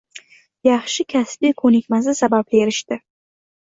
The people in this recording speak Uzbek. yaxshi kasbiy ko’nikmasi sababli erishadi